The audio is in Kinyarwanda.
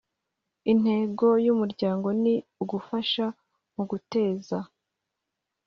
Intego y Umuryango ni ugufasha mu guteza